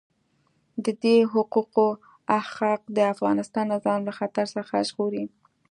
د دې حقوقو احقاق د افغانستان نظام له خطر څخه ژغوري.